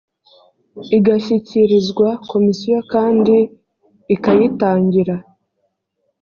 igashyikirizwa komisiyo kandi ikayitangira